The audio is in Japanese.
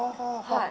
はい。